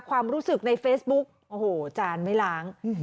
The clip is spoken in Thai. ความรู้สึกในเฟซบุ๊กโอ้โหจานไม่ล้าง